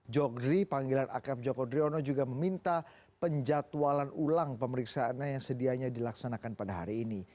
jok dry panggilan akf joko dryono juga meminta penjatualan ulang pemeriksaannya yang sedianya dilaksanakan pada hari ini